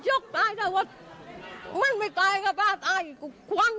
จะเลิกยาไม่ให้อภัยไหม